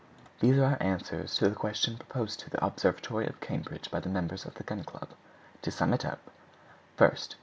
These are our answers to the questions proposed to the Observatory of Cambridge by the members of the Gun Club:— To sum up— 1st.